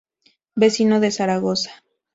Vecino de Zaragoza.